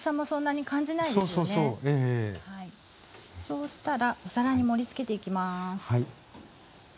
そうしたらお皿に盛りつけていきます。